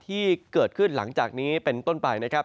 ที่เกิดขึ้นหลังจากนี้เป็นต้นไปนะครับ